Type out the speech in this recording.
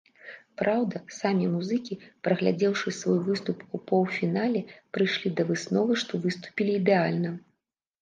Праўда, самі музыкі, праглядзеўшы свой выступ ў паўфінале, прыйшлі да высновы, што выступілі ідэальна.